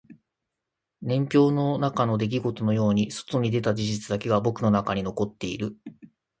年表の中の出来事のように外に出た事実だけが僕の中に残っている